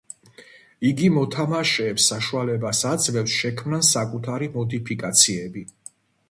იგი მოთამაშეებს საშუალებას აძლევს შექმნან საკუთარი მოდიფიკაციები.